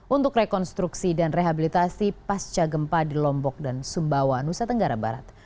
untuk rekonstruksi dan rehabilitasi pasca gempa di lombok dan sumbawa nusa tenggara barat